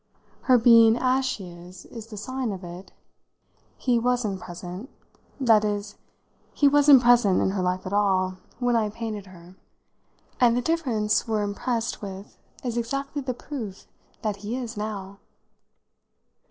Her being as she is is the sign of it. He wasn't present that is he wasn't present in her life at all when I painted her; and the difference we're impressed with is exactly the proof that he is now."